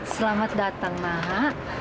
selamat datang maha